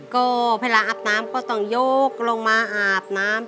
ก็เวลาอาบน้ำก็ต้องยกลงมาอาบน้ำ